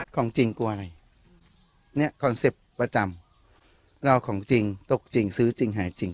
ของจริงกลัวอะไรเนี้ยคอนเซ็ปต์ประจำเราของจริงตกจริงซื้อจริงหายจริง